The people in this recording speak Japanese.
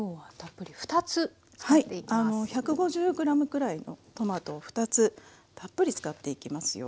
１５０ｇくらいのトマトを２つたっぷり使っていきますよ。